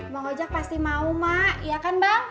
bang ojak pasti mau ma ya kan bang